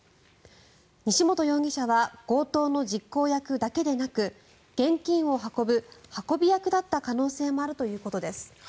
西本容疑者は強盗の実行役だけでなく現金を運ぶ運び役だった可能性もあるということです。